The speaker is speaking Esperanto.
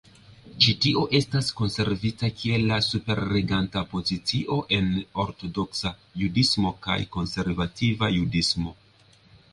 Ĉi tio estas konservita kiel la superreganta pozicio en ortodoksa judismo kaj konservativa judismo.